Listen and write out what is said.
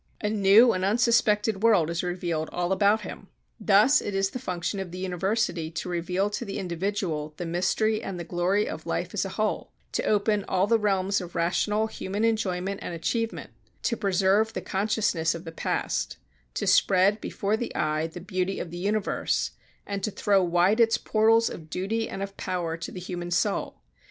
A new and unsuspected world is revealed all about him. Thus it is the function of the university to reveal to the individual the mystery and the glory of life as a whole to open all the realms of rational human enjoyment and achievement; to preserve the consciousness of the past; to spread before the eye the beauty of the universe; and to throw wide its portals of duty and of power to the human soul.